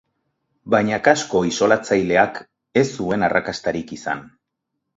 Baina kasko isolatzaileak ez zuen arrakastarik izan.